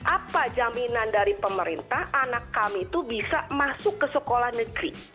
apa jaminan dari pemerintah anak kami itu bisa masuk ke sekolah negeri